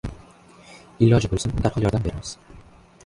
Iloji bo‘lsin, darhol yordam beramiz.